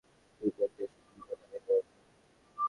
তুই পড়তে শিখলি কোথা থেকে বলতো?